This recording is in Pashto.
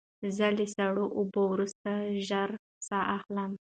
زه له سړو اوبو وروسته ژر ساه اخلم.